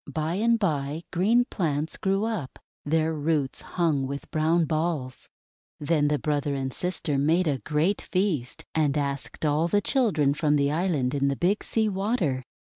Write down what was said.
By and by, green plants grew up, their roots hung with brown balls. Then the brother and sister made a great feast, and asked all the children from the island in the Big Sea Water.